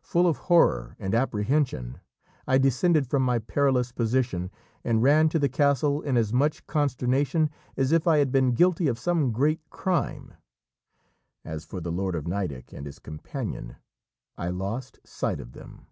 Full of horror and apprehension, I descended from my perilous position, and ran to the castle in as much consternation as if I had been guilty of some great crime. As for the lord of Nideck and his companion, I lost sight of them.